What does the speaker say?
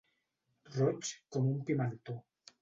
Roig com un pimentó.